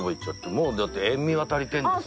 もうだって塩味は足りてるんだもんね。